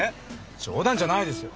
冗談じゃないですよ。